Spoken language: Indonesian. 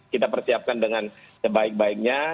kita persiapkan dengan sebaik baiknya